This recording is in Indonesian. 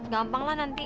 gampang lah nanti